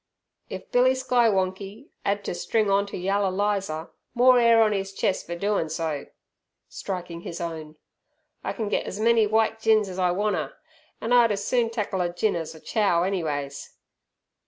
"If Billy Skywonkie 'ad ter string onter yaller Lizer, more 'air on 'is chest fer doin' so" (striking his own). "I ken get as many w'ite gins as I wanter, an' I'd as soon tackle a gin as a chow anyways!"